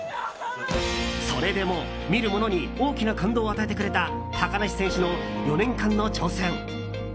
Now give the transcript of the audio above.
それでも見る者に大きな感動を与えてくれた高梨選手の４年間の挑戦。